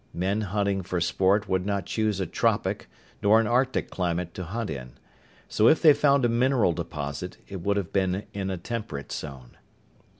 Men hunting for sport would not choose a tropic nor an arctic climate to hunt in. So if they found a mineral deposit, it would have been in a temperate zone.